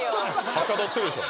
はかどってるでしょ？